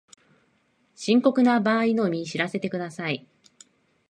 深刻な場合のみ知らせてください